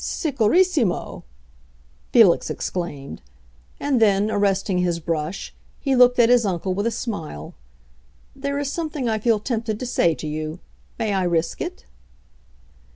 "Sicurissimo!" Felix exclaimed; and then, arresting his brush, he looked at his uncle with a smile. "There is something I feel tempted to say to you. May I risk it?"